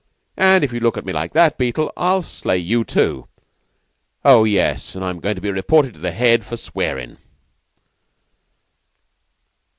An' if you look at me like that, Beetle, I'll slay you too... Oh, yes, an' I'm goin' to be reported to the Head for swearin'."